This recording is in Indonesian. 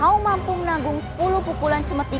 aku akan menanggung kutukan itu